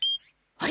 あれ？